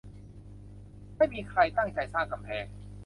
ไม่มีใครตั้งใจสร้างกำแพง